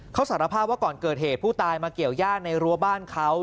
เขาสารภาพว่าก่อนเกิดเหตุผู้ตายมาเกี่ยวย่าในรั้วบ้านเขา